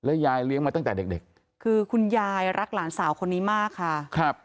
ยายเลี้ยงมาตั้งแต่เด็กเด็กคือคุณยายรักหลานสาวคนนี้มากค่ะครับ